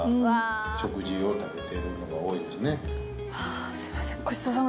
わすいません。